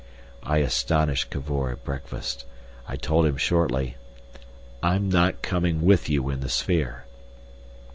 I astonished Cavor at breakfast. I told him shortly, "I'm not coming with you in the sphere."